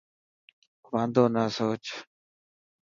واندو نه سوچ.